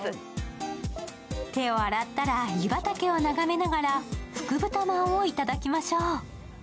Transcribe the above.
手を洗ったら湯畑を眺めながら福豚まんをいただきましょう。